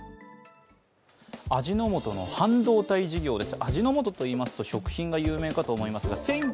味の素の半導体事業です。